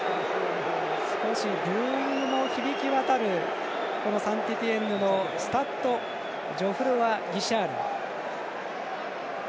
少しブーイングも響き渡るサンテティエンヌのスタッド・ジェフロワ・ギシャール。